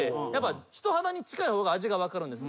人肌に近い方が味が分かるんです。